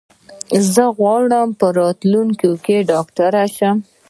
زه غواړم په راتلونکي کې ډاکټر شم.